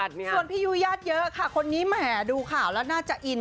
ส่วนพี่ยุญาติเยอะค่ะคนนี้แหมดูข่าวแล้วน่าจะอิน